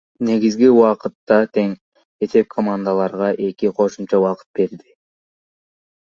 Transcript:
Негизги убакыттагы тең эсеп командаларга эки кошумча убакыт берди.